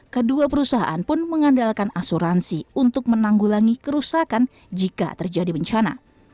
kedua perusahaan pun mengandalkan asuransi untuk menanggulangi kerusakan jika terjadi bencana